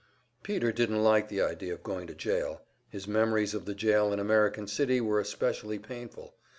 Peter didn't like the idea of going to jail; his memories of the jail in American City were especially painful.